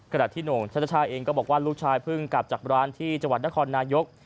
กระดาษที่หน่งชัตตาชายเองก็บอกว่าลูกชายพึ่งกลับจากร้านที่จนครนายก